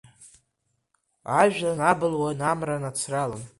Ажәҩан абылуан амра нацралан.